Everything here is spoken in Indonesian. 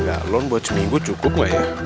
delapan galon buat jemimu cukup gak ya